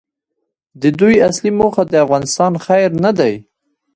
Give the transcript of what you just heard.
د دوی اصلي موخه د افغانستان خیر نه دی.